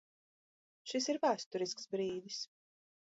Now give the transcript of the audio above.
Šis ir vēsturisks brīdis!